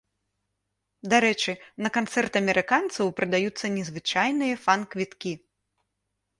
Дарэчы, на канцэрт амерыканцаў прадаюцца незвычайныя фан-квіткі.